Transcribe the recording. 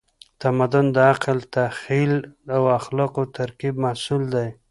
تمدن د عقل، تخیل او اخلاقو د ترکیب محصول دی.